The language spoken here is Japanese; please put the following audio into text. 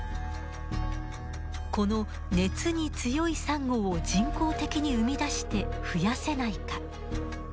この熱に強いサンゴを人工的に生み出して増やせないか。